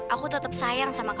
aku tetap masih ingin ketemu lo